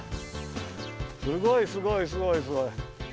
すごいすごいすごいすごい。